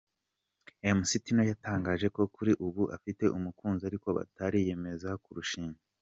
Mc Tino yatangaje ko kuri ubu afite umukunzi ariko batariyemeza kurushinga.